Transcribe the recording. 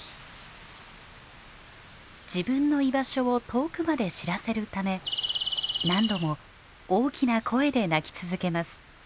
自分の居場所を遠くまで知らせるため何度も大きな声で鳴き続けます。